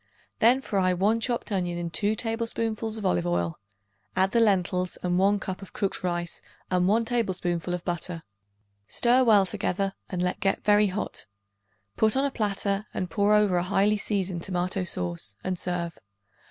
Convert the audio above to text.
Then fry 1 chopped onion in 2 tablespoonfuls of olive oil; add the lentils and 1 cup of cooked rice and 1 tablespoonful of butter. Stir well together and let get very hot. Put on a platter and pour over a highly seasoned tomato sauce and serve.